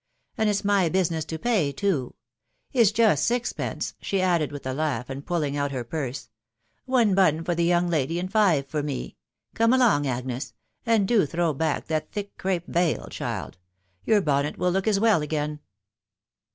And it's my business to pay too It's just sixpence," she added with a laugh, and pulling out her purse. " One bun for the young lady, and five for me. Come along, Agnes .... and do throw back that thick crape veil, child. Your bonnet will look as well again